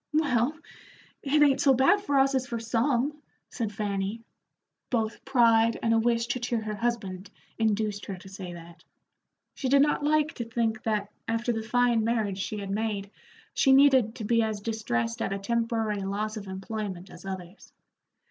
"Well, it ain't so bad for us as for some," said Fanny. Both pride and a wish to cheer her husband induced her to say that. She did not like to think that, after the fine marriage she had made, she needed to be as distressed at a temporary loss of employment as others.